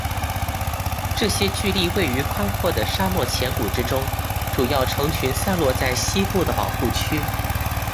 这些巨砾位于宽阔的沙漠浅谷之中，主要成群散落在西部的保护区。